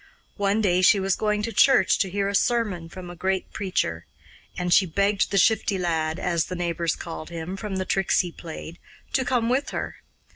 One day she was going to church to hear a sermon from a great preacher, and she begged the Shifty Lad, as the neighbours called him from the tricks he played, to come with her.